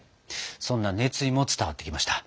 そんな熱意も伝わってきました。